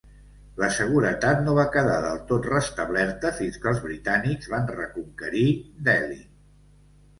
La seguretat no va quedar del tot restablerta fins que els britànics van reconquerir Delhi.